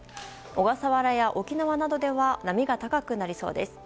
小笠原や沖縄などでは波が高くなりそうです。